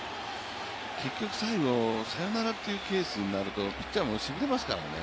結局最後サヨナラというケースになるとピッチャーもしびれますからね。